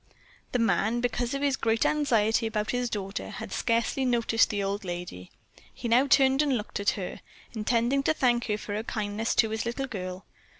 The man, because of his great anxiety about his daughter, had scarcely noticed the old lady. He now turned and looked at her, intending to thank her for her kindness to his little girl.